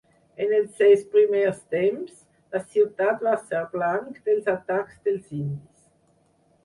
En els seus primers temps, la ciutat va ser blanc dels atacs dels indis.